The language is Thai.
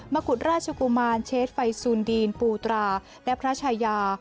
กุฎราชกุมารเชษไฟซูนดีนปูตราและพระชายา